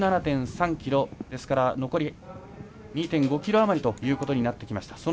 １７．３ｋｍですから残り２．５ｋｍ余りということになってきました。